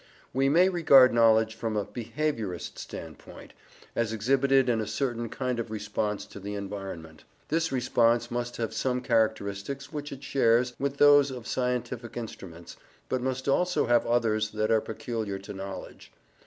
We may regard knowledge, from a behaviourist standpoint, as exhibited in a certain kind of response to the environment. This response must have some characteristics which it shares with those of scientific instruments, but must also have others that are peculiar to knowledge.